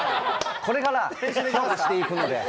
これから強化していくので。